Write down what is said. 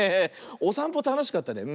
おさんぽたのしかったね。